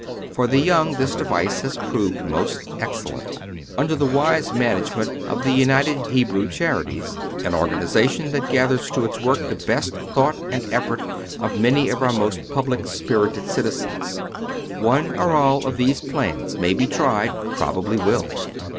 For the young this device has proved most ex cellent under the wise management of the United Hebrew Charities, an organization that gathers to its work the best thought and effort of many of our most public spirit ed citizens. One, or all, of these plans may be tried, probably will.